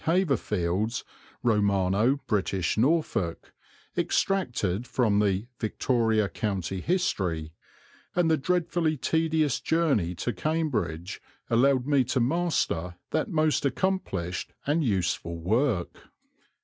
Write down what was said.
Haverfield's Romano British Norfolk, extracted from the "Victoria County History," and the dreadfully tedious journey to Cambridge allowed me to master that most accomplished and useful work.